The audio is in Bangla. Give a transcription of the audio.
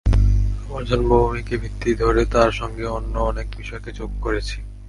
আমার জন্মভূমিকে ভিত্তি ধরে তার সঙ্গে অন্য অনেক বিষয়কে যোগ করেছি।